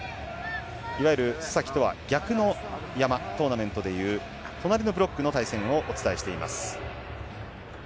いわゆる須崎とは逆の山トーナメントで言う隣のブロックの対戦をお伝えしています。